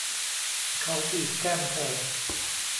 เขาบีบแก้มเธอ